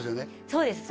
そうです